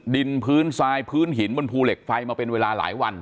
ดินพื้นทรายพื้นหินบนภูเหล็กไฟมาเป็นเวลาหลายวัน